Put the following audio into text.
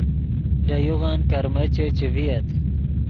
لے یوغن کرمیچے چے ڤییت